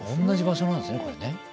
同じ場所なんですねこれね。